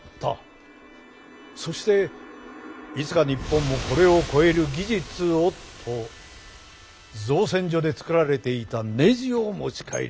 そして「いつか日本もこれを超える技術を」と造船所で作られていたネジを持ち帰りました。